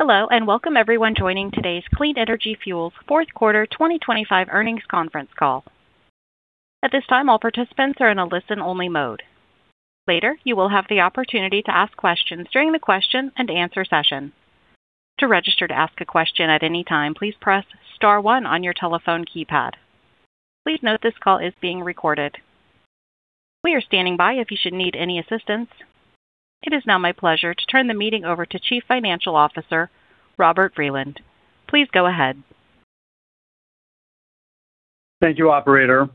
Hello, welcome everyone joining today's Clean Energy Fuels Fourth Quarter 2025 earnings conference call. At this time, all participants are in a listen-only mode. Later, you will have the opportunity to ask questions during the question and answer session. To register to ask a question at any time, please press star one on your telephone keypad. Please note this call is being recorded. We are standing by if you should need any assistance. It is now my pleasure to turn the meeting over to Chief Financial Officer, Robert Vreeland. Please go ahead. Thank you, operator.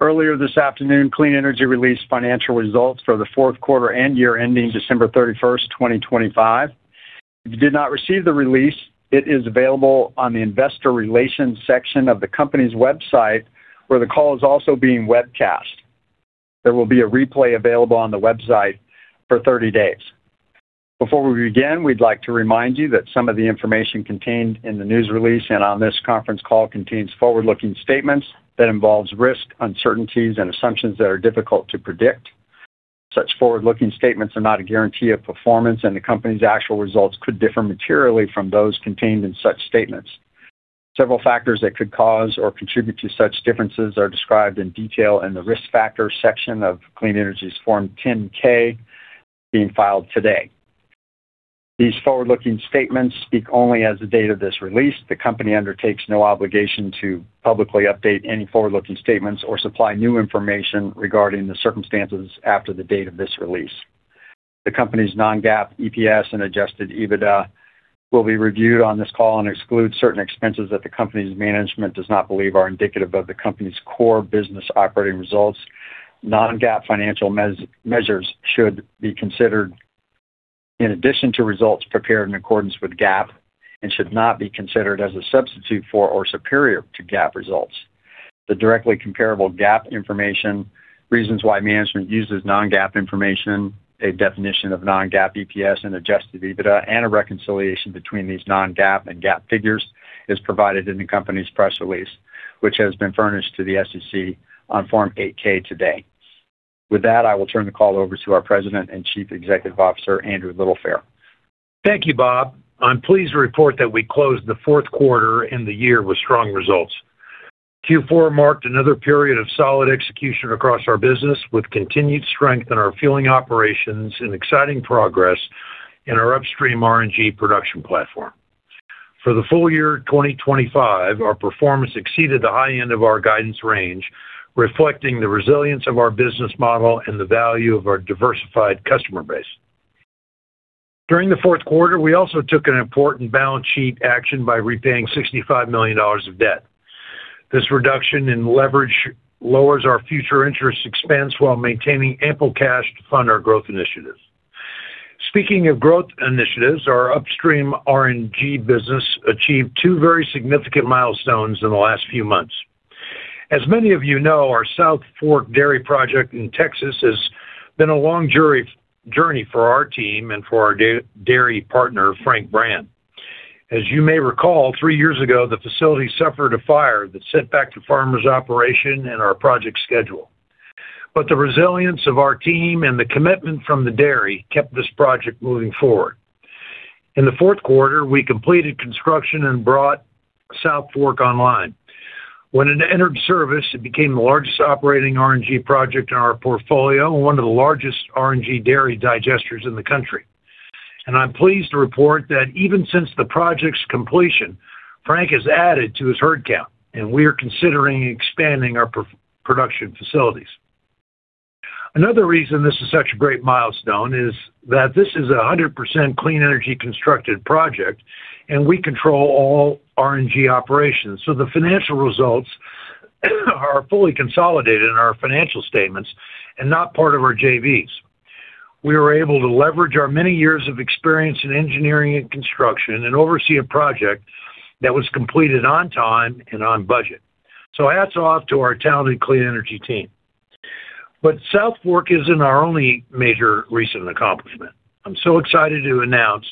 Earlier this afternoon, Clean Energy released financial results for the fourth quarter and year ending December 31st, 2025. If you did not receive the release, it is available on the investor relations section of the company's website, where the call is also being webcast. There will be a replay available on the website for 30 days. Before we begin, we'd like to remind you that some of the information contained in the news release and on this conference call contains forward-looking statements that involves risks, uncertainties, and assumptions that are difficult to predict. Such forward-looking statements are not a guarantee of performance, and the company's actual results could differ materially from those contained in such statements. Several factors that could cause or contribute to such differences are described in detail in the Risk Factors section of Clean Energy's Form 10-K being filed today. These forward-looking statements speak only as of the date of this release. The company undertakes no obligation to publicly update any forward-looking statements or supply new information regarding the circumstances after the date of this release. The company's non-GAAP EPS and adjusted EBITDA will be reviewed on this call and exclude certain expenses that the company's management does not believe are indicative of the company's core business operating results. Non-GAAP financial measures should be considered in addition to results prepared in accordance with GAAP and should not be considered as a substitute for or superior to GAAP results. The directly comparable GAAP information, reasons why management uses non-GAAP information, a definition of non-GAAP EPS and adjusted EBITDA, and a reconciliation between these non-GAAP and GAAP figures is provided in the company's press release, which has been furnished to the SEC on Form 8-K today. With that, I will turn the call over to our President and Chief Executive Officer, Andrew Littlefair. Thank you, Bob. I'm pleased to report that we closed the fourth quarter and the year with strong results. Q4 marked another period of solid execution across our business, with continued strength in our fueling operations and exciting progress in our upstream RNG production platform. For the full year 2025, our performance exceeded the high end of our guidance range, reflecting the resilience of our business model and the value of our diversified customer base. During the fourth quarter, we also took an important balance sheet action by repaying $65 million of debt. This reduction in leverage lowers our future interest expense while maintaining ample cash to fund our growth initiatives. Speaking of growth initiatives, our upstream RNG business achieved two very significant milestones in the last few months. As many of you know, our South Fork Dairy project in Texas has been a long journey for our team and for our dairy partner, Frank Brandt. As you may recall, three years ago, the facility suffered a fire that set back the farmer's operation and our project schedule. The resilience of our team and the commitment from the dairy kept this project moving forward. In the fourth quarter, we completed construction and brought South Fork online. When it entered service, it became the largest operating RNG project in our portfolio and one of the largest RNG dairy digesters in the country. I'm pleased to report that even since the project's completion, Frank has added to his herd count, and we are considering expanding our production facilities. Another reason this is such a great milestone is that this is a 100% Clean Energy constructed project, and we control all RNG operations, so the financial results are fully consolidated in our financial statements and not part of our JVs. We were able to leverage our many years of experience in engineering and construction and oversee a project that was completed on time and on budget. Hats off to our talented Clean Energy team. South Fork isn't our only major recent accomplishment. I'm so excited to announce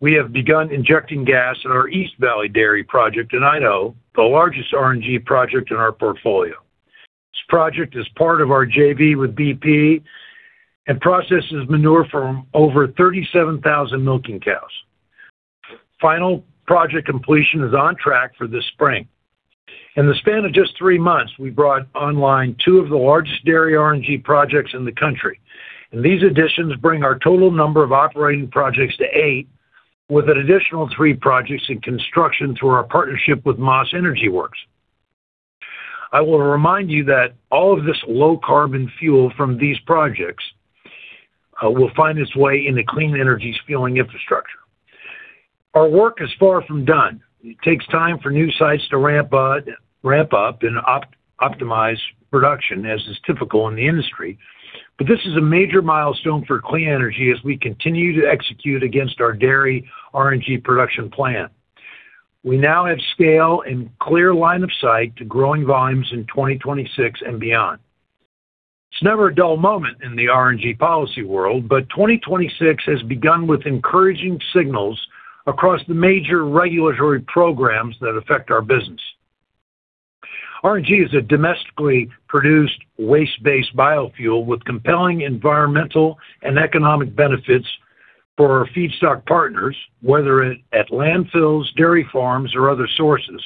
we have begun injecting gas in our East Valley Dairy project in Idaho, the largest RNG project in our portfolio. This project is part of our JV with BP and processes manure from over 37,000 milking cows. Final project completion is on track for this spring. In the span of just three months, we brought online two of the largest dairy RNG projects in the country, and these additions bring our total number of operating projects to eight, with an additional three projects in construction through our partnership with Maas Energy Works. I want to remind you that all of this low-carbon fuel from these projects will find its way into Clean Energy's fueling infrastructure. Our work is far from done. It takes time for new sites to ramp up and optimize production, as is typical in the industry. This is a major milestone for Clean Energy as we continue to execute against our dairy RNG production plan. We now have scale and clear line of sight to growing volumes in 2026 and beyond. It's never a dull moment in the RNG policy world. 2026 has begun with encouraging signals across the major regulatory programs that affect our business. RNG is a domestically produced waste-based biofuel with compelling environmental and economic benefits for our feedstock partners, whether it at landfills, dairy farms, or other sources,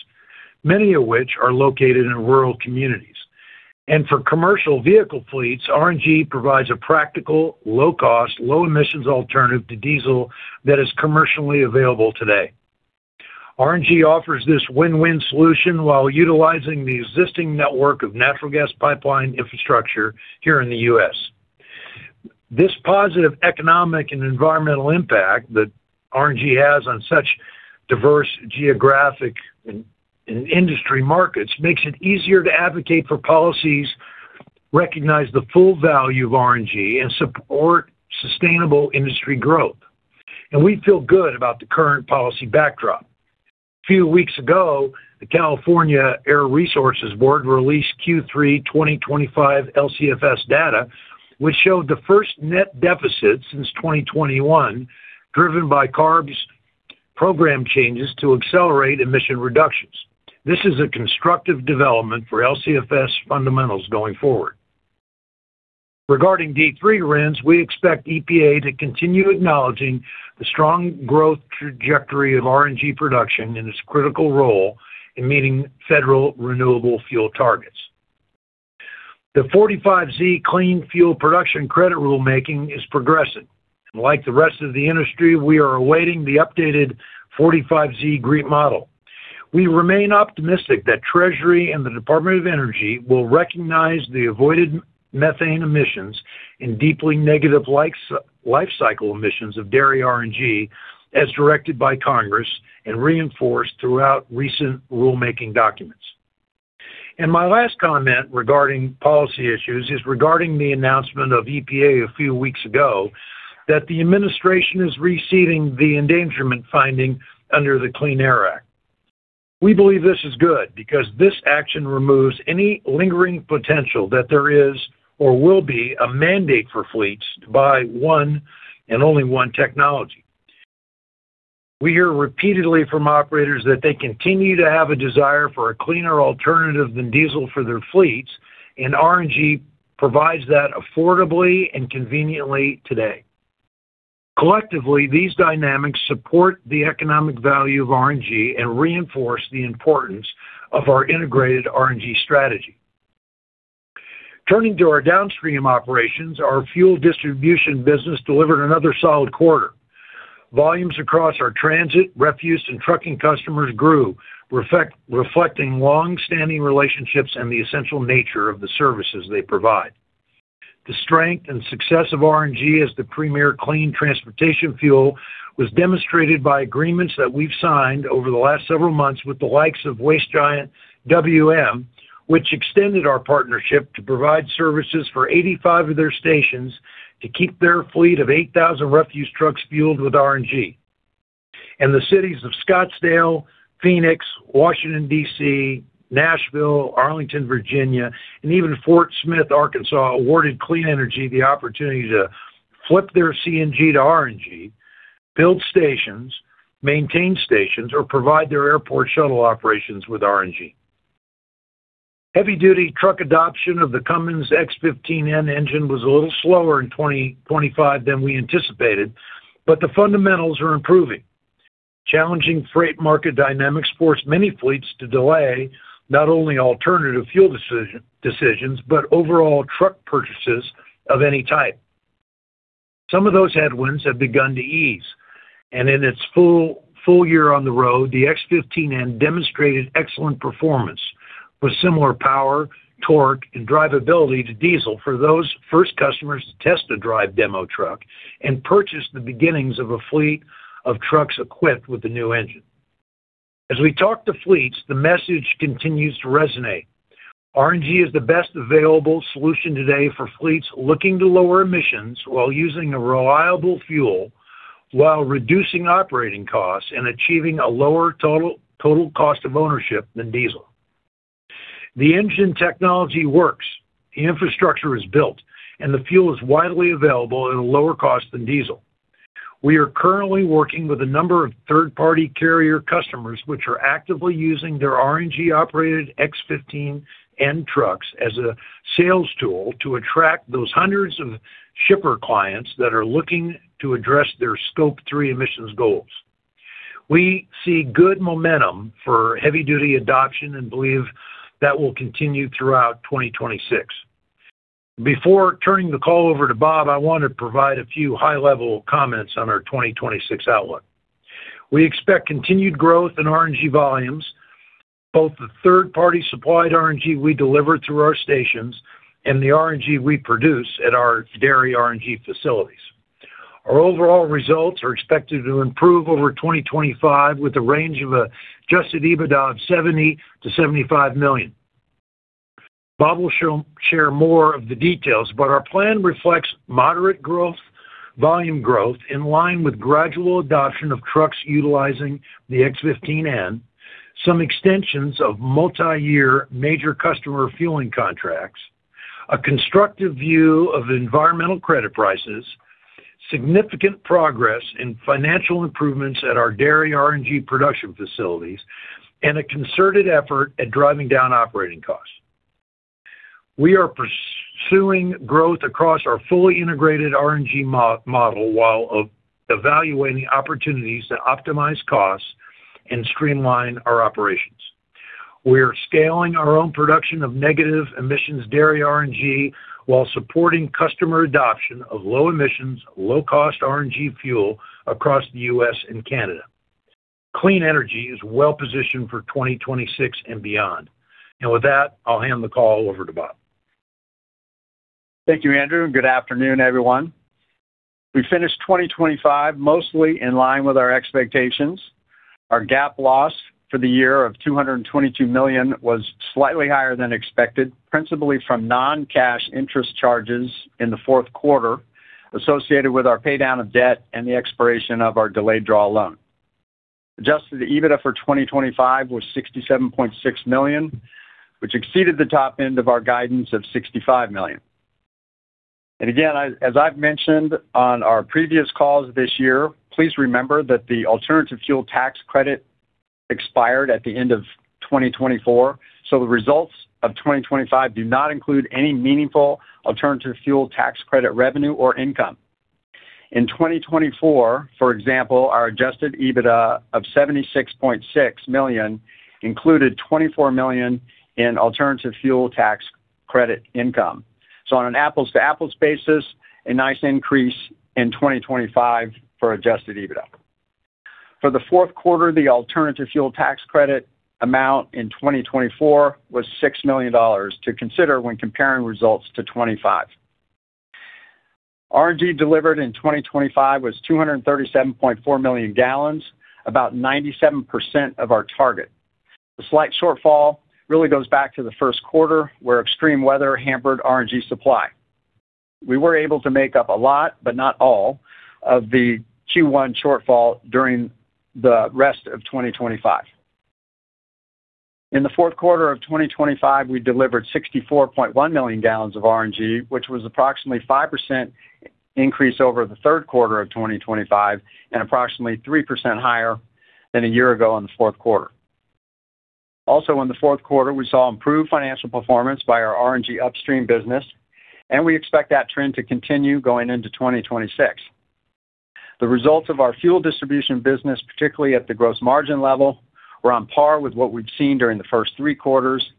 many of which are located in rural communities. For commercial vehicle fleets, RNG provides a practical, low-cost, low-emissions alternative to diesel that is commercially available today. RNG offers this win-win solution while utilizing the existing network of natural gas pipeline infrastructure here in the U.S. This positive economic and environmental impact that RNG has on such diverse geographic and industry markets makes it easier to advocate for policies, recognize the full value of RNG, and support sustainable industry growth. We feel good about the current policy backdrop. A few weeks ago, the California Air Resources Board released Q3 2025 LCFS data, which showed the first net deficit since 2021, driven by CARB's program changes to accelerate emission reductions. This is a constructive development for LCFS fundamentals going forward. Regarding D3 RINs, we expect EPA to continue acknowledging the strong growth trajectory of RNG production and its critical role in meeting federal renewable fuel targets. The 45Z Clean Fuel Production Credit rulemaking is progressing, and like the rest of the industry, we are awaiting the updated 45Z GREET model. We remain optimistic that Treasury and the Department of Energy will recognize the avoided methane emissions in deeply negative life cycle emissions of dairy RNG, as directed by Congress and reinforced throughout recent rulemaking documents. My last comment regarding policy issues is regarding the announcement of EPA a few weeks ago, that the administration is receiving the Endangerment Finding under the Clean Air Act. We believe this is good because this action removes any lingering potential that there is or will be a mandate for fleets to buy one and only one technology. We hear repeatedly from operators that they continue to have a desire for a cleaner alternative than diesel for their fleets, and RNG provides that affordably and conveniently today. Collectively, these dynamics support the economic value of RNG and reinforce the importance of our integrated RNG strategy. Turning to our downstream operations, our fuel distribution business delivered another solid quarter. Volumes across our transit, refuse, and trucking customers grew, reflecting long-standing relationships and the essential nature of the services they provide. The strength and success of RNG as the premier clean transportation fuel was demonstrated by agreements that we've signed over the last several months with the likes of Waste Giant WM, which extended our partnership to provide services for 85 of their stations to keep their fleet of 8,000 refuse trucks fueled with RNG. The cities of Scottsdale, Phoenix, Washington, D.C., Nashville, Arlington, Virginia, and even Fort Smith, Arkansas, awarded Clean Energy the opportunity to flip their CNG to RNG, build stations, maintain stations, or provide their airport shuttle operations with RNG. Heavy-duty truck adoption of the Cummins X15N engine was a little slower in 2025 than we anticipated, but the fundamentals are improving. Challenging freight market dynamics forced many fleets to delay not only alternative fuel decisions, but overall truck purchases of any type. Some of those headwinds have begun to ease. In its full year on the road, the X15N demonstrated excellent performance with similar power, torque, and drivability to diesel for those first customers to test the drive demo truck and purchase the beginnings of a fleet of trucks equipped with the new engine. As we talk to fleets, the message continues to resonate. RNG is the best available solution today for fleets looking to lower emissions while using a reliable fuel, while reducing operating costs and achieving a lower total cost of ownership than diesel. The engine technology works, the infrastructure is built, the fuel is widely available at a lower cost than diesel. We are currently working with a number of third-party carrier customers, which are actively using their RNG-operated X15N trucks as a sales tool to attract those hundreds of shipper clients that are looking to address their Scope 3 emissions goals. We see good momentum for heavy-duty adoption and believe that will continue throughout 2026. Before turning the call over to Bob, I want to provide a few high-level comments on our 2026 outlook. We expect continued growth in RNG volumes, both the third-party supplied RNG we deliver through our stations and the RNG we produce at our dairy RNG facilities. Our overall results are expected to improve over 2025, with a range of a adjusted EBITDA of $70 million-$75 million. Bob will share more of the details, but our plan reflects moderate growth, volume growth in line with gradual adoption of trucks utilizing the X15N, some extensions of multiyear major customer fueling contracts. A constructive view of environmental credit prices, significant progress in financial improvements at our dairy RNG production facilities, and a concerted effort at driving down operating costs. We are pursuing growth across our fully integrated RNG model while evaluating opportunities to optimize costs and streamline our operations. We are scaling our own production of negative emissions dairy RNG, while supporting customer adoption of low emissions, low-cost RNG fuel across the U.S. and Canada. Clean Energy is well positioned for 2026 and beyond. With that, I'll hand the call over to Bob. Thank you, Andrew, and good afternoon, everyone. We finished 2025 mostly in line with our expectations. Our GAAP loss for the year of $222 million was slightly higher than expected, principally from non-cash interest charges in the fourth quarter, associated with our pay down of debt and the expiration of our delayed-draw term loan. Adjusted EBITDA for 2025 was $67.6 million, which exceeded the top end of our guidance of $65 million. Again, as I've mentioned on our previous calls this year, please remember that the Alternative Fuel Tax Credit expired at the end of 2024, so the results of 2025 do not include any meaningful Alternative Fuel Tax Credit revenue or income. In 2024, for example, our adjusted EBITDA of $76.6 million included $24 million in Alternative Fuel Tax Credit income. On an apples-to-apples basis, a nice increase in 2025 for adjusted EBITDA. For the fourth quarter, the Alternative Fuel Tax Credit amount in 2024 was $6 million to consider when comparing results to 2025. RNG delivered in 2025 was 237.4 million gallons, about 97% of our target. The slight shortfall really goes back to the first quarter, where extreme weather hampered RNG supply. We were able to make up a lot, but not all, of the Q1 shortfall during the rest of 2025. In the fourth quarter of 2025, we delivered 64.1 million gallons of RNG, which was approximately 5% increase over the third quarter of 2025, and approximately 3% higher than a year ago in the fourth quarter. In the fourth quarter, we saw improved financial performance by our RNG upstream business, and we expect that trend to continue going into 2026. The results of our fuel distribution business, particularly at the gross margin level, were on par with what we've seen during the first three quarters,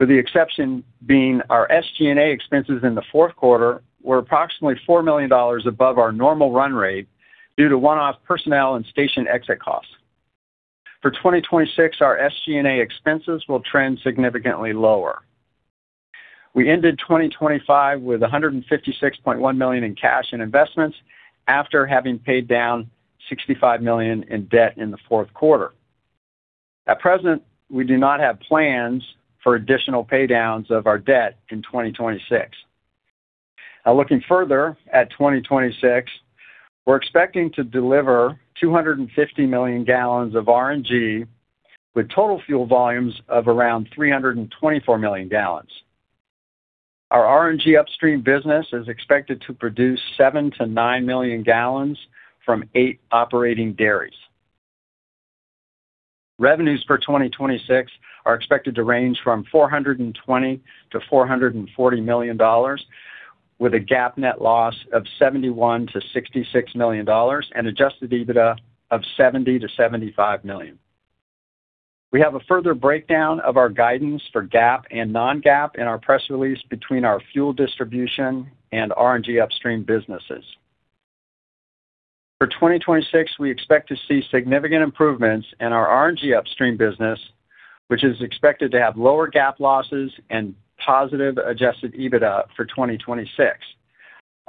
with the exception being our SG&A expenses in the fourth quarter were approximately $4 million above our normal run rate due to one-off personnel and station exit costs. For 2026, our SG&A expenses will trend significantly lower. We ended 2025 with $156.1 million in cash and investments, after having paid down $65 million in debt in the fourth quarter. At present, we do not have plans for additional pay downs of our debt in 2026. Looking further at 2026, we're expecting to deliver 250 million gallons of RNG, with total fuel volumes of around 324 million gallons. Our RNG upstream business is expected to produce 7-9 million gallons from 8 operating dairies. Revenues for 2026 are expected to range from $420 million to $440 million, with a GAAP net loss of $71 million-$66 million and adjusted EBITDA of $70 million-$75 million. We have a further breakdown of our guidance for GAAP and non-GAAP in our press release between our fuel distribution and RNG upstream businesses. For 2026, we expect to see significant improvements in our RNG upstream business, which is expected to have lower GAAP losses and positive adjusted EBITDA for 2026.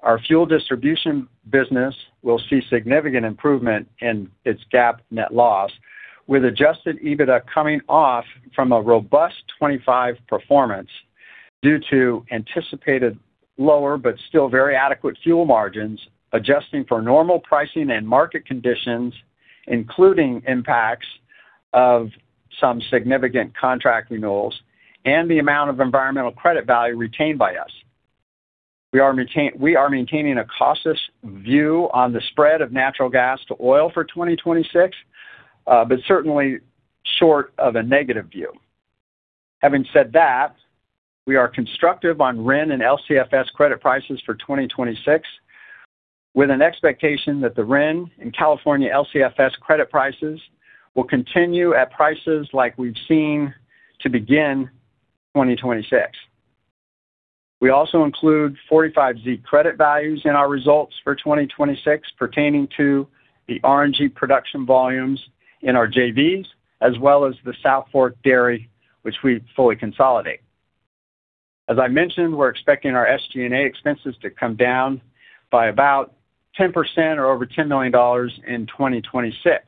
Our fuel distribution business will see significant improvement in its GAAP net loss, with adjusted EBITDA coming off from a robust 25 performance due to anticipated lower but still very adequate fuel margins, adjusting for normal pricing and market conditions, including impacts of some significant contract renewals and the amount of environmental credit value retained by us. We are maintaining a cautious view on the spread of natural gas to oil for 2026, but certainly short of a negative view. Having said that, we are constructive on RIN and LCFS credit prices for 2026, with an expectation that the RIN and California LCFS credit prices will continue at prices like we've seen to begin 2026. We also include 45Z credit values in our results for 2026 pertaining to the RNG production volumes in our JVs, as well as the South Fork Dairy, which we fully consolidate. As I mentioned, we're expecting our SG&A expenses to come down by about 10% or over $10 million in 2026.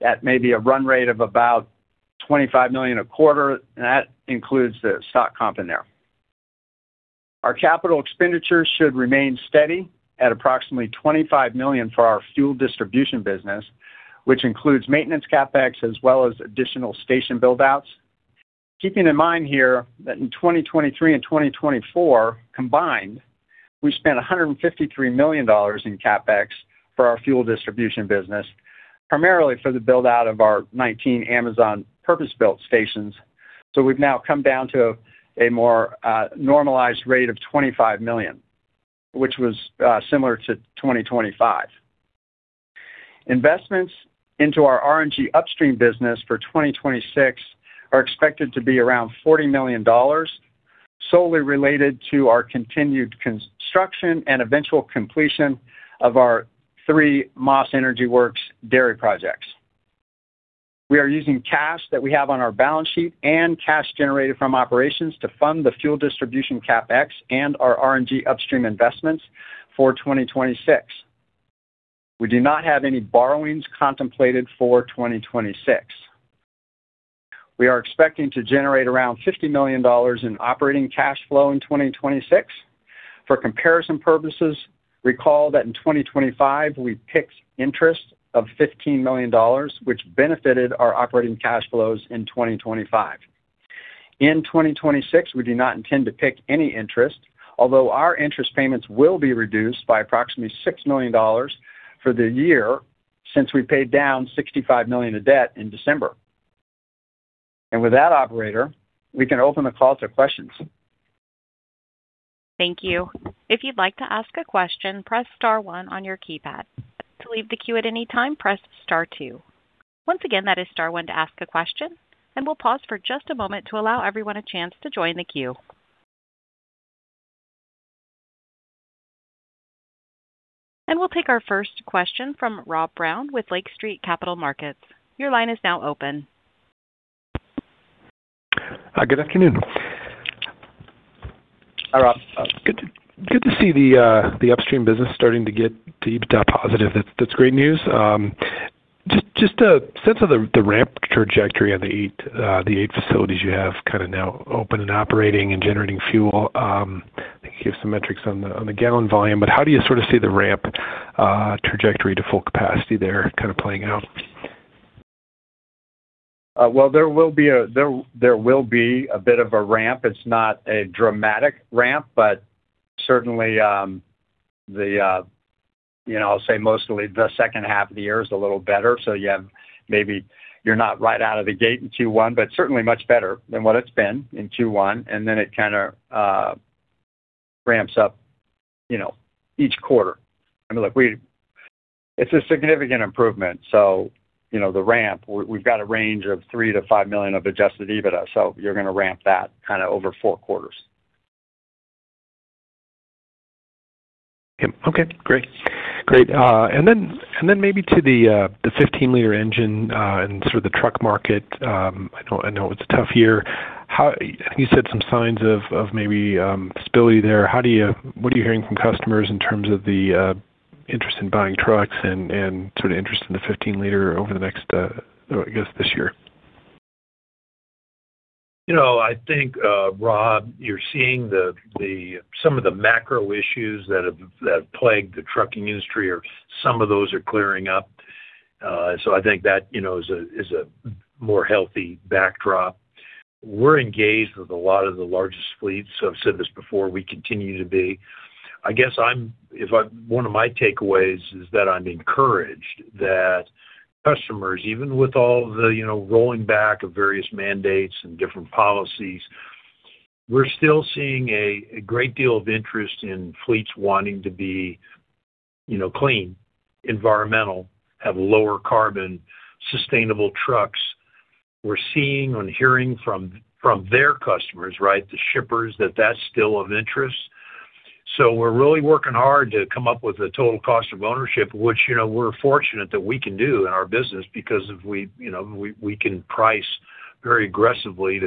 That may be a run rate of about $25 million a quarter, that includes the stock comp in there. Our capital expenditures should remain steady at approximately $25 million for our fuel distribution business, which includes maintenance CapEx as well as additional station build-outs. Keeping in mind here that in 2023 and 2024 combined, we spent $153 million in CapEx for our fuel distribution business, primarily for the build-out of our 19 Amazon purpose-built stations. We've now come down to a more normalized rate of $25 million, which was similar to 2025. Investments into our RNG upstream business for 2026 are expected to be around $40 million, solely related to our continued construction and eventual completion of our three Maas Energy Works dairy projects. We are using cash that we have on our balance sheet and cash generated from operations to fund the fuel distribution CapEx and our RNG upstream investments for 2026. We do not have any borrowings contemplated for 2026. We are expecting to generate around $50 million in operating cash flow in 2026. For comparison purposes, recall that in 2025, we picked interest of $15 million, which benefited our operating cash flows in 2025. In 2026, we do not intend to pick any interest, although our interest payments will be reduced by approximately $6 million for the year since we paid down $65 million of debt in December. With that, operator, we can open the call to questions. Thank you. If you'd like to ask a question, press star one on your keypad. To leave the queue at any time, press star two. Once again, that is star one to ask a question, we'll pause for just a moment to allow everyone a chance to join the queue. We'll take our first question from Robert Brown with Lake Street Capital Markets. Your line is now open. Hi, good afternoon. Hi, Rob. Good to see the upstream business starting to get deep down positive. That's great news. Just a sense of the ramp trajectory on the eight facilities you have kind of now open and operating and generating fuel. I think you have some metrics on the gallon volume, but how do you sort of see the ramp trajectory to full capacity there kind of playing out? Well, there will be a bit of a ramp. It's not a dramatic ramp, but certainly, you know, I'll say mostly the second half of the year is a little better. You have maybe you're not right out of the gate in Q1, but certainly much better than what it's been in Q1, and then it kind of ramps up, you know, each quarter. I mean, look, it's a significant improvement. You know, the ramp, we've got a range of $3 million-$5 million of adjusted EBITDA, so you're going to ramp that kind of over four quarters. Okay, great. Great. Then maybe to the 15-liter engine, and sort of the truck market, I know it's tough here. You said some signs of maybe stability there. What are you hearing from customers in terms of the interest in buying trucks and sort of interest in the 15-liter over the next, I guess, this year? You know, I think, Rob, you're seeing the some of the macro issues that have, that plagued the trucking industry, or some of those are clearing up. I think that, you know, is a, is a more healthy backdrop. We're engaged with a lot of the largest fleets. I've said this before, we continue to be. I guess one of my takeaways is that I'm encouraged that customers, even with all the, you know, rolling back of various mandates and different policies, we're still seeing a great deal of interest in fleets wanting to be, you know, clean, environmental, have lower carbon, sustainable trucks. We're seeing and hearing from their customers, right, the shippers, that that's still of interest. We're really working hard to come up with a total cost of ownership, which, you know, we're fortunate that we can do in our business because if we, you know, we can price very aggressively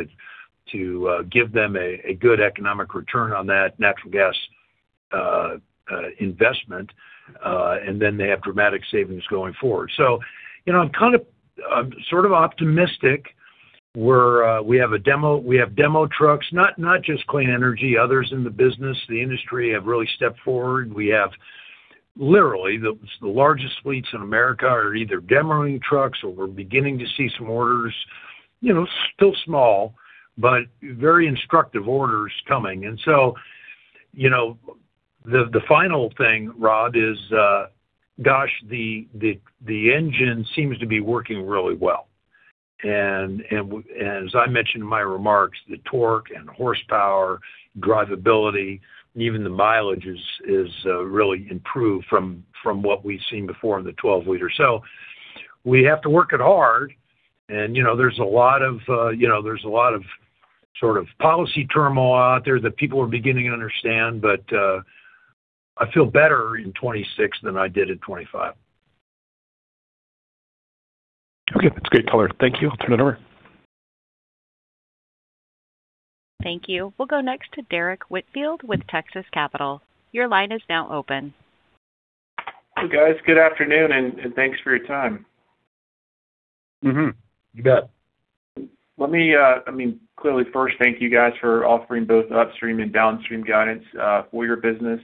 to give them a good economic return on that natural gas investment, and then they have dramatic savings going forward. You know, I'm kind of, I'm sort of optimistic where we have demo trucks, not just Clean Energy, others in the business. The industry have really stepped forward. We have literally, the largest fleets in America are either demoing trucks or we're beginning to see some orders, you know, still small, but very instructive orders coming. You know, the final thing, Rob, is, gosh, the engine seems to be working really well. As I mentioned in my remarks, the torque and horsepower, drivability, even the mileage is really improved from what we've seen before in the 12-liter. We have to work it hard, and, you know, there's a lot of, you know, there's a lot of sort of policy turmoil out there that people are beginning to understand, but, I feel better in 2026 than I did in 2025. Okay. That's great color. Thank you. I'll turn it over. Thank you. We'll go next to Derrick Whitfield with Texas Capital. Your line is now open. Hey, guys, good afternoon, and thanks for your time. Mm-hmm. You bet. Let me, I mean, clearly first, thank you guys for offering both upstream and downstream guidance for your business.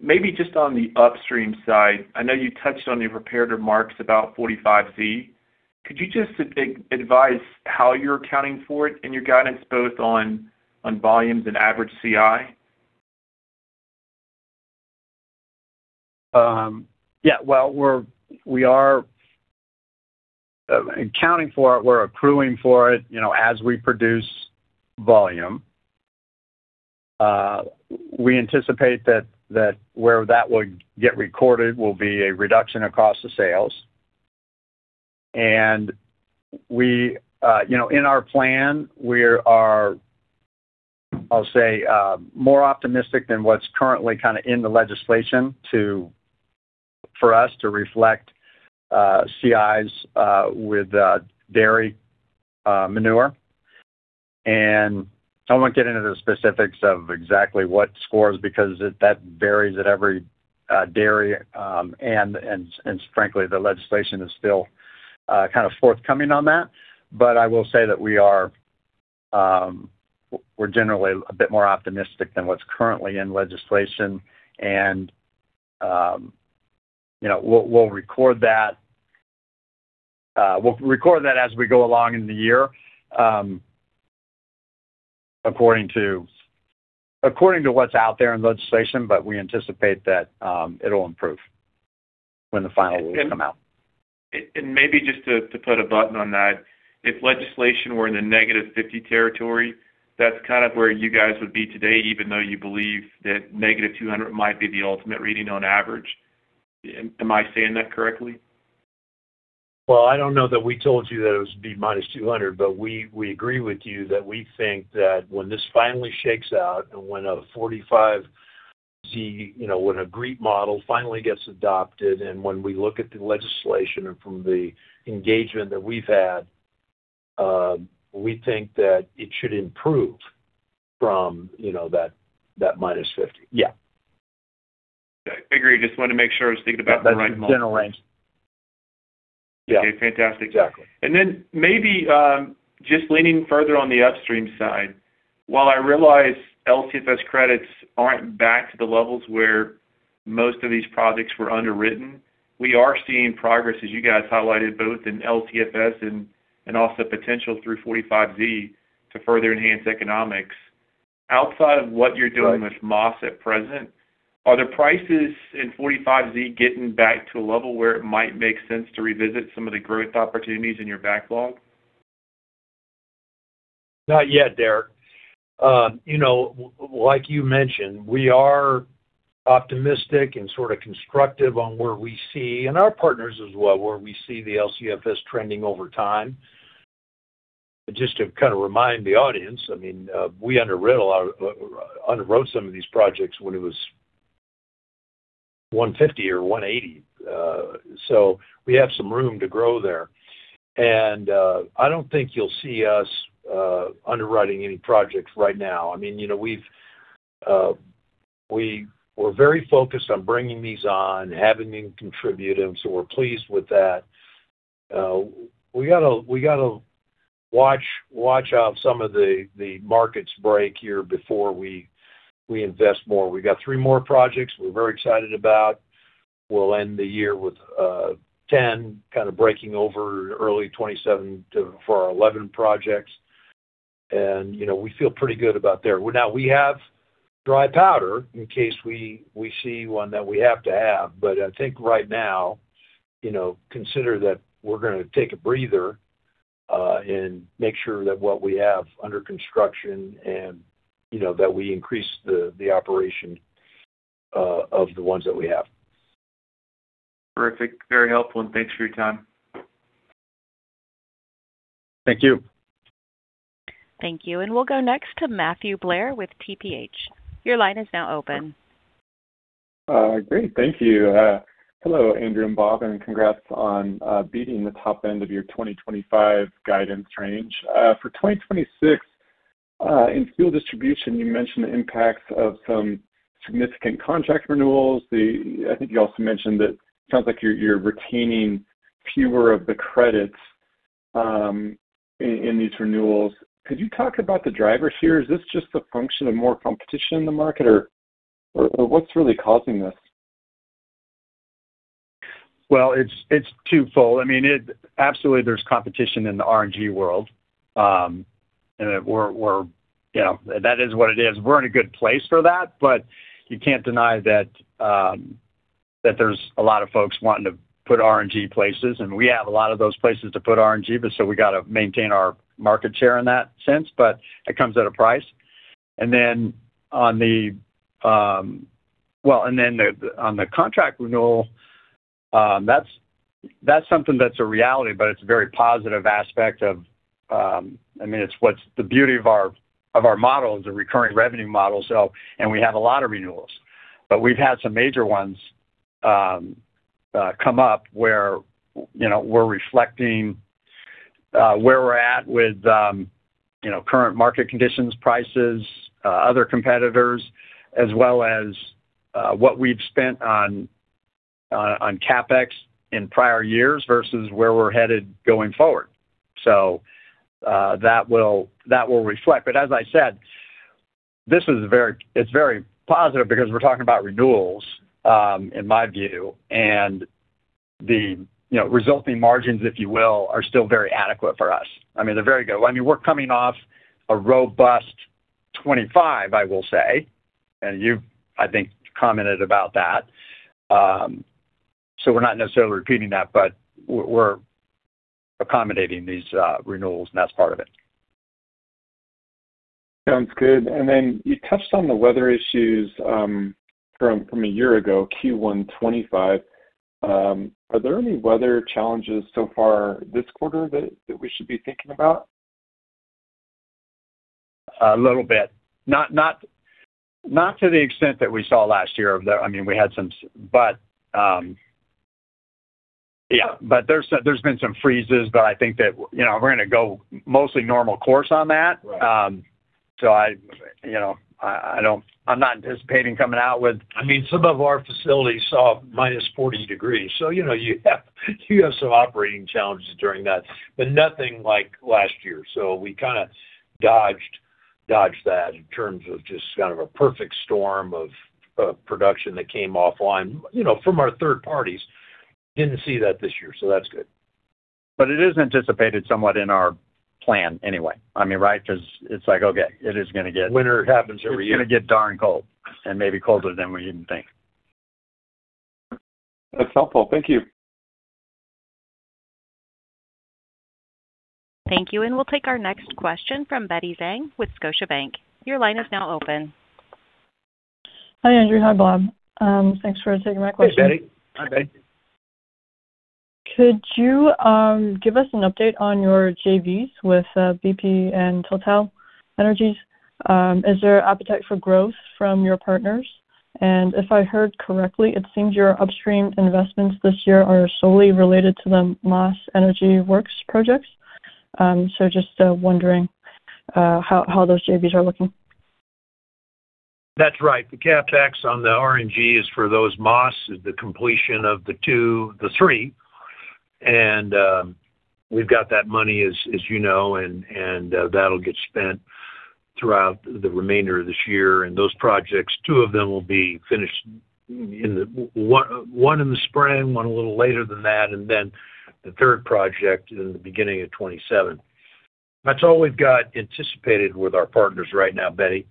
Maybe just on the upstream side, I know you touched on your prepared remarks about 45Z. Could you just advise how you're accounting for it in your guidance, both on volumes and average CI? Yeah, well, we are accounting for it. We're accruing for it, you know, as we produce volume. We anticipate that where that would get recorded will be a reduction across the sales. We, you know, in our plan, we are, I'll say, more optimistic than what's currently kind of in the legislation for us to reflect CIs with dairy manure. I won't get into the specifics of exactly what scores, because that varies at every dairy. Frankly, the legislation is still kind of forthcoming on that. I will say that we are generally a bit more optimistic than what's currently in legislation. You know, we'll record that as we go along in the year, according to what's out there in legislation, but we anticipate that, it'll improve when the final rules come out. Maybe just to put a button on that, if legislation were in the -50 territory, that's kind of where you guys would be today, even though you believe that -200 might be the ultimate reading on average. Am I saying that correctly? I don't know that we told you that it would be -200, but we agree with you that we think that when this finally shakes out and when a 45Z, you know, when GREET model finally gets adopted, and when we look at the legislation and from the engagement that we've had, we think that it should improve from, you know, that -50. Yeah. I agree. Just wanted to make sure I was thinking about the right model. That's the general range. Yeah. Okay, fantastic. Exactly. Maybe, just leaning further on the upstream side, while I realize LCFS credits aren't back to the levels where most of these projects were underwritten, we are seeing progress, as you guys highlighted, both in LCFS and also potential through 45Z to further enhance economics. Outside of what you're doing- Right, with Maas at present, are the prices in 45Z getting back to a level where it might make sense to revisit some of the growth opportunities in your backlog? Not yet, Derrick. You know, like you mentioned, we are optimistic and sort of constructive on where we see, and our partners as well, where we see the LCFS trending over time. Just to kind of remind the audience, I mean, we underwrote some of these projects when it was $150 or $180. We have some room to grow there. I don't think you'll see us underwriting any projects right now. I mean, you know, we're very focused on bringing these on and having them contribute, we're pleased with that. We gotta watch how some of the markets break here before we invest more. We've got three more projects we're very excited about. We'll end the year with 10, kind of breaking over early 27 for our 11 projects. You know, we feel pretty good about there. Now, we have dry powder in case we see one that we have to have, but I think right now, you know, consider that we're gonna take a breather and make sure that what we have under construction and, you know, that we increase the operation of the ones that we have. Terrific. Very helpful, and thanks for your time. Thank you. Thank you. We'll go next to Matthew Blair with TPH. Your line is now open. Great. Thank you. Hello, Andrew and Bob, and congrats on beating the top end of your 2025 guidance range. For 2026, in fuel distribution, you mentioned the impacts of some significant contract renewals. I think you also mentioned that it sounds like you're retaining fewer of the credits in these renewals. Could you talk about the drivers here? Is this just a function of more competition in the market, or what's really causing this? Well, it's twofold. I mean, absolutely, there's competition in the RNG world. We're, you know, that is what it is. We're in a good place for that, but you can't deny that there's a lot of folks wanting to put RNG places, and we have a lot of those places to put RNG, but so we got to maintain our market share in that sense, but it comes at a price. On the, Well, on the contract renewal, that's something that's a reality, but it's a very positive aspect of, I mean, it's what's the beauty of our model is a recurring revenue model, so, and we have a lot of renewals. We've had some major ones, come up where, you know, we're reflecting where we're at with, you know, current market conditions, prices, other competitors, as well as, what we've spent on CapEx in prior years versus where we're headed going forward. That will reflect. As I said, this is very positive because we're talking about renewals, in my view, and the, you know, resulting margins, if you will, are still very adequate for us. I mean, they're very good. I mean, we're coming off a robust 2025, I will say, and you, I think, commented about that. We're not necessarily repeating that, but we're accommodating these renewals, and that's part of it. Sounds good. You touched on the weather issues, from a year ago, Q1 2025. Are there any weather challenges so far this quarter that we should be thinking about? A little bit. Not to the extent that we saw last year, though. I mean, we had some, but, yeah. There's been some freezes, but I think that, you know, we're going to go mostly normal course on that. Right. I, you know, I'm not anticipating coming out with- I mean, some of our facilities saw minus 40 degrees. You know, you have some operating challenges during that, but nothing like last year. We kind of dodged that in terms of just kind of a perfect storm of production that came offline, you know, from our third parties. Didn't see that this year, so that's good. It is anticipated somewhat in our plan anyway. I mean, right? Because it's like, okay, it is gonna. Winter happens every year. It's gonna get darn cold and maybe colder than we even think. That's helpful. Thank you. Thank you, and we'll take our next question from Betty Jiang with Scotiabank. Your line is now open. Hi, Andrew. Hi, Bob. Thanks for taking my question. Hey, Betty. Hi, Betty. Could you give us an update on your JVs with BP and TotalEnergies? Is there appetite for growth from your partners? If I heard correctly, it seems your upstream investments this year are solely related to the Maas Energy Works projects. Just wondering how those JVs are looking? That's right. The CapEx on the RNG is for those Maas, the completion of the 2, the 3, and we've got that money, as you know, that'll get spent throughout the remainder of this year. Those projects, two of them will be finished one in the spring, one a little later than that, and then the third project in the beginning of 2027. That's all we've got anticipated with our partners right now, Betty.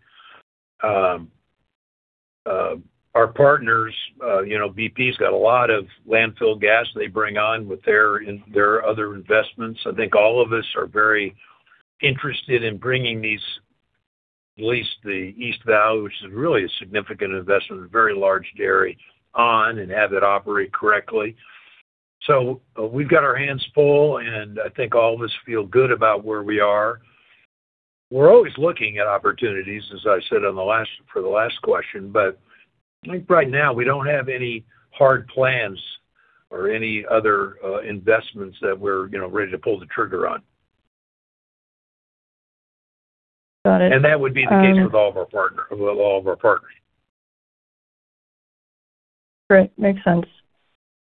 Our partners, you know, BP's got a lot of landfill gas they bring on with their other investments. I think all of us are very interested in bringing these, at least the East Valley, which is really a significant investment, a very large dairy, on and have it operate correctly. We've got our hands full, and I think all of us feel good about where we are. We're always looking at opportunities, as I said for the last question, but I think right now we don't have any hard plans or any other investments that we're, you know, ready to pull the trigger on. Got it. That would be the case with all of our partners. Great. Makes sense.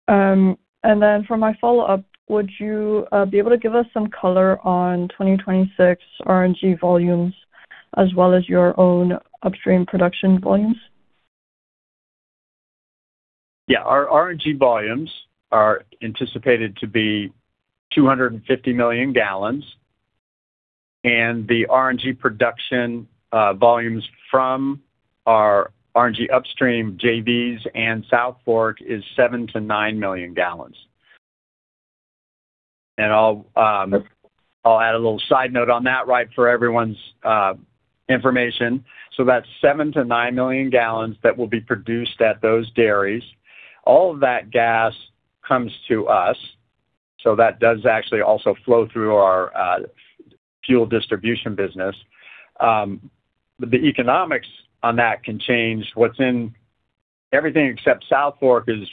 For my follow-up, would you be able to give us some color on 2026 RNG volumes as well as your own upstream production volumes? Yeah. Our RNG volumes are anticipated to be 250 million gallons, the RNG production volumes from our RNG upstream JVs and South Fork is 7-9 million gallons. I'll add a little side note on that, right, for everyone's information. That's 7-9 million gallons that will be produced at those dairies. All of that gas comes to us, that does actually also flow through our fuel distribution business. The economics on that can change. Everything except South Fork is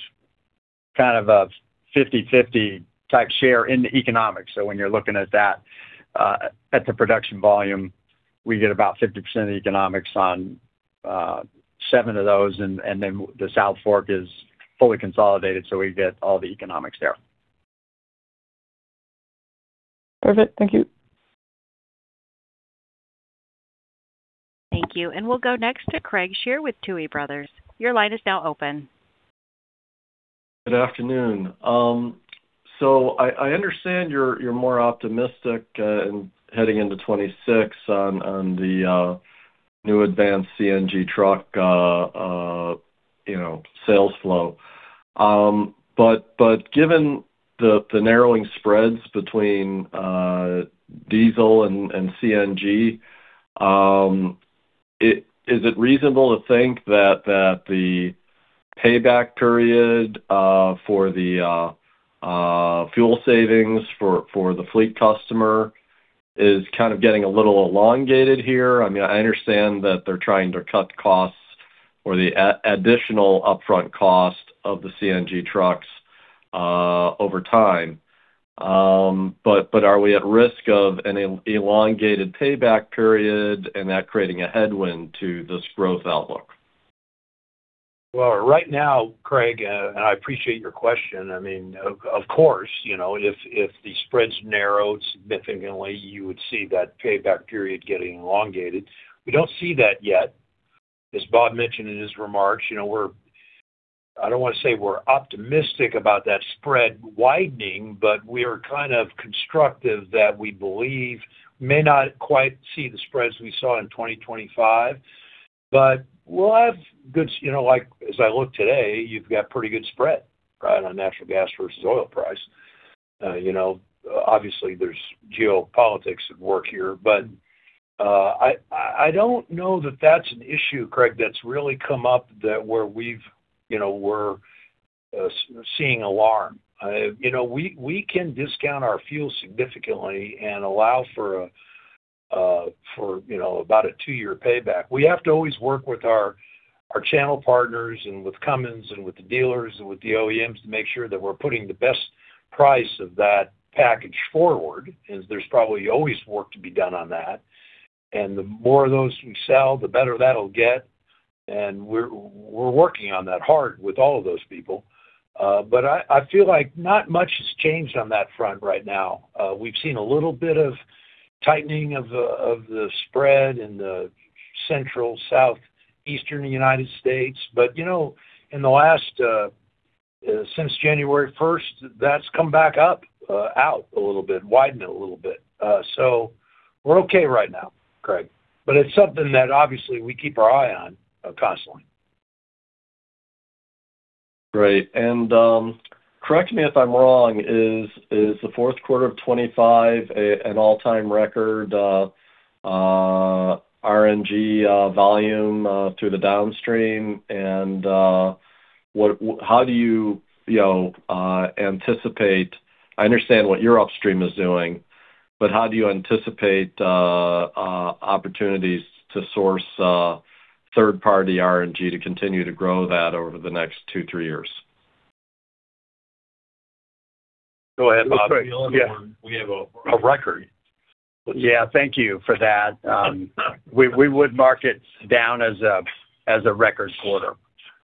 kind of a 50/50 type share in the economics. When you're looking at that, at the production volume, we get about 50% of the economics on seven of those, and then South Fork is fully consolidated, so we get all the economics there. Perfect. Thank you. Thank you. We'll go next to Craig Shere with Tuohy Brothers. Your line is now open. Good afternoon. I understand you're more optimistic heading into 2026 on the new advanced CNG truck, you know, sales flow. Given the narrowing spreads between diesel and CNG, is it reasonable to think that the payback period for the fuel savings for the fleet customer is kind of getting a little elongated here? I mean, I understand that they're trying to cut costs, or the additional upfront cost of the CNG trucks, over time. Are we at risk of an elongated payback period and that creating a headwind to this growth outlook? Well, right now, Craig, I appreciate your question. I mean, of course, you know, if the spreads narrow significantly, you would see that payback period getting elongated. We don't see that yet. As Bob mentioned in his remarks, you know, I don't wanna say we're optimistic about that spread widening, but we are kind of constructive that we believe may not quite see the spreads we saw in 2025, but we'll have good. You know, like, as I look today, you've got pretty good spread, right, on natural gas versus oil price. You know, obviously, there's geopolitics at work here, but I don't know that that's an issue, Craig, that's really come up that where we've, you know, we're seeing alarm. You know, we can discount our fuel significantly and allow for a, for, you know, about a two-year payback. We have to always work with our channel partners and with Cummins and with the dealers and with the OEMs to make sure that we're putting the best price of that package forward, as there's probably always work to be done on that. The more of those we sell, the better that'll get. We're working on that hard with all of those people. I feel like not much has changed on that front right now. We've seen a little bit of tightening of the, of the spread in the central, southeastern United States, but, you know, in the last, since January 1st, that's come back up out a little bit, widened it a little bit. We're okay right now, Craig, but it's something that obviously we keep our eye on constantly. Great. Correct me if I'm wrong, is the fourth quarter of 25 an all-time record RNG volume through the downstream? What how do you know, anticipate? I understand what your upstream is doing, but how do you anticipate opportunities to source third-party RNG to continue to grow that over the next two, three years? Go ahead, Bob. We have a record. Yeah, thank you for that. We would mark it down as a record quarter.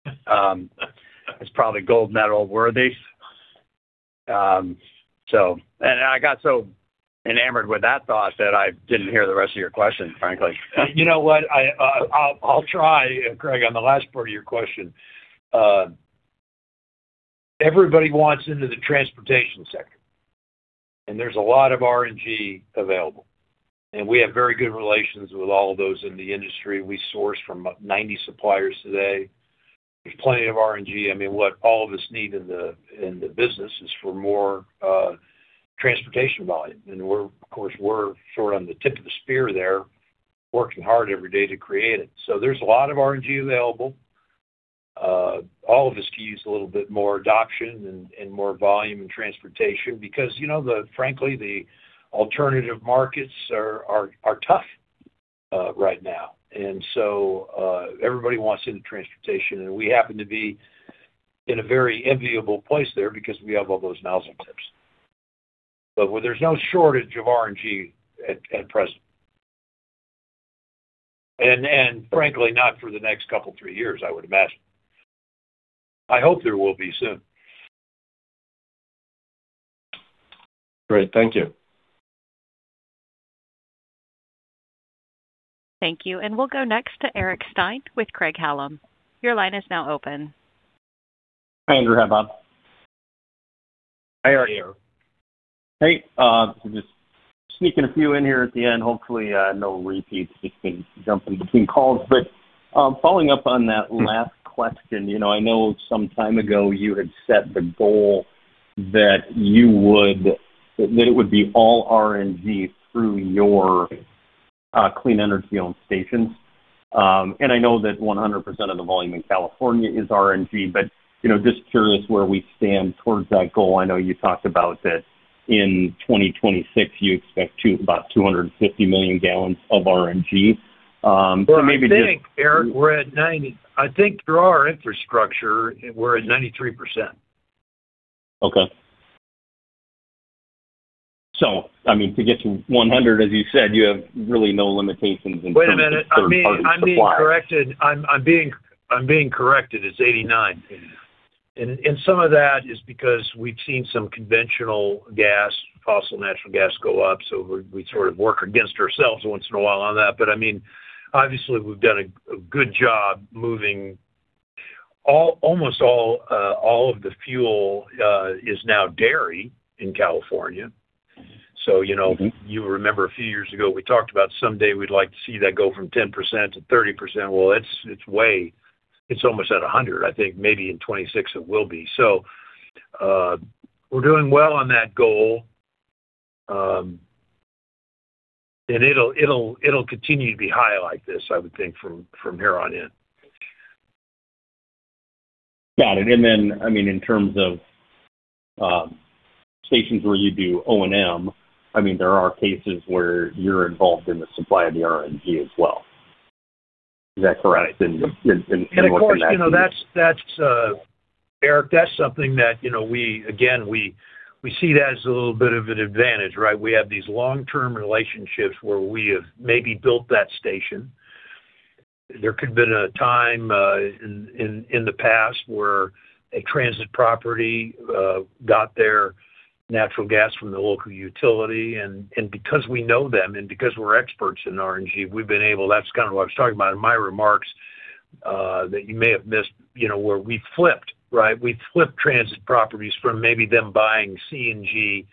It's probably gold medal worthy. I got so enamored with that thought that I didn't hear the rest of your question, frankly. You know what? I'll try, Craig, on the last part of your question. Everybody wants into the transportation sector, and there's a lot of RNG available. We have very good relations with all of those in the industry. We source from about 90 suppliers today. There's plenty of RNG. I mean, what all of us need in the business is for more transportation volume. We're, of course, we're sort on the tip of the spear there, working hard every day to create it. There's a lot of RNG available. All of us could use a little bit more adoption and more volume in transportation because, you know, frankly, the alternative markets are tough right now. Everybody wants into transportation, and we happen to be in a very enviable place there because we have all those nozzle tips. Where there's no shortage of RNG at present. Frankly, not for the next couple, three years, I would imagine. I hope there will be soon. Great. Thank you. Thank you. We'll go next to Eric Stine with Craig-Hallum. Your line is now open. Hi, Andrew. Hi, Bob. Hi, Eric. Hey, just sneaking a few in here at the end. Hopefully, no repeats, just been jumping between calls. Following up on that last question, you know, I know some time ago you had set the goal that it would be all RNG through your Clean Energy-owned stations. I know that 100% of the volume in California is RNG, but, you know, just curious where we stand towards that goal. I know you talked about that in 2026, you expect about 250 million gallons of RNG. Maybe just. I think, Eric, we're at 90. I think through our infrastructure, we're at 93%. Okay. I mean, to get to 100, as you said, you have really no limitations in terms of third-party suppliers. Wait a minute, I'm being corrected. I'm being corrected. It's 89. Some of that is because we've seen some conventional gas, fossil natural gas go up, so we sort of work against ourselves once in a while on that. I mean, obviously, we've done a good job moving. Almost all of the fuel is now dairy in California. Mm-hmm. You know. Mm-hmm. You remember a few years ago, we talked about someday we'd like to see that go from 10%-30%. Well, it's almost at 100. I think maybe in 2026 it will be. We're doing well on that goal, and it'll continue to be high like this, I would think, from here on in. Got it. Then, I mean, in terms of stations where you do O&M, I mean, there are cases where you're involved in the supply of the RNG as well. Is that correct? Of course, you know, that's, Eric, that's something that, you know, we again, we see that as a little bit of an advantage, right? We have these long-term relationships where we have maybe built that station. There could have been a time in the past where a transit property got their natural gas from the local utility. Because we know them and because we're experts in RNG, we've been able. That's kind of what I was talking about in my remarks that you may have missed, you know, where we flipped, right? We flipped transit properties from maybe them buying CNG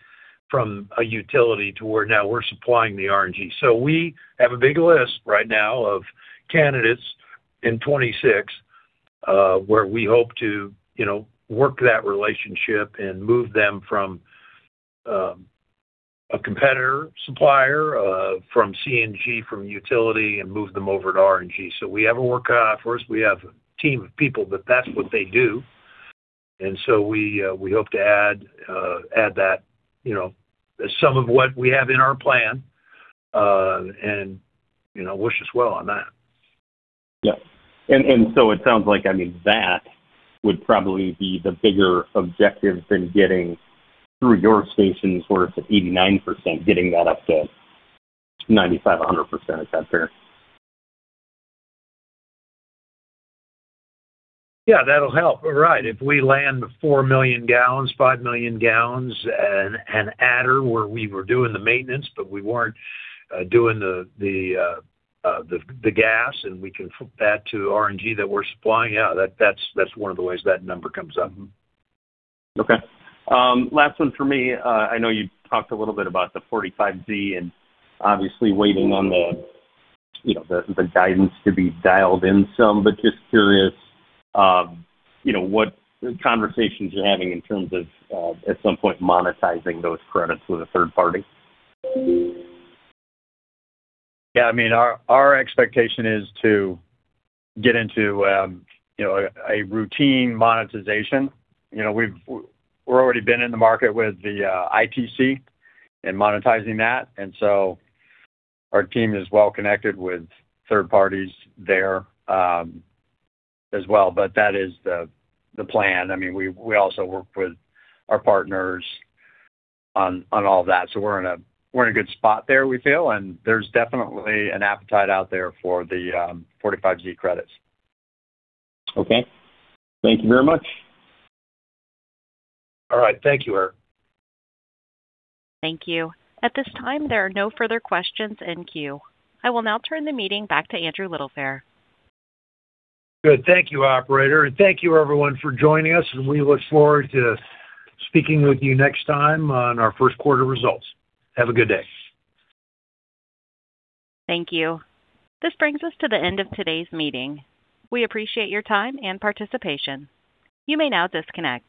from a utility to where now we're supplying the RNG. We have a big list right now of candidates in 26, where we hope to, you know, work that relationship and move them from a competitor supplier, from CNG, from utility, and move them over to RNG. We have a work for us. We have a team of people, but that's what they do. We hope to add that, you know, as some of what we have in our plan, and, you know, wish us well on that. Yeah. It sounds like, I mean, that would probably be the bigger objective than getting through your stations where it's at 89%, getting that up to 95%, 100%. Is that fair? Yeah, that'll help. Right. If we land 4 million gallons, 5 million gallons at, and adder, where we were doing the maintenance, but we weren't doing the gas, and we can flip that to RNG that we're supplying. Yeah, that's one of the ways that number comes up. Okay. last one for me. I know you talked a little bit about the 45Z, and obviously waiting on the, you know, the guidance to be dialed in some, but just curious, you know, what conversations you're having in terms of at some point monetizing those credits with a third party? Yeah, I mean, our expectation is to get into, you know, a routine monetization. You know, we're already been in the market with the ITC and monetizing that. Our team is well connected with third parties there, as well. That is the plan. I mean, we also work with our partners on all of that. We're in a good spot there, we feel, and there's definitely an appetite out there for the 45Z credits. Okay. Thank you very much. All right. Thank you, Eric. Thank you. At this time, there are no further questions in queue. I will now turn the meeting back to Andrew Littlefair. Good. Thank you, operator, and thank you, everyone, for joining us, and we look forward to speaking with you next time on our first quarter results. Have a good day. Thank you. This brings us to the end of today's meeting. We appreciate your time and participation. You may now disconnect.